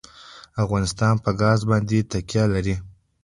افغانستان په ګاز باندې تکیه لري.